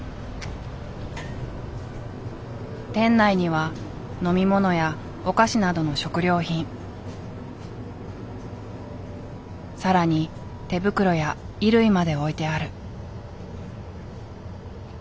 店内には飲み物やお菓子などの食料品更に手袋や衣類まで置いてある。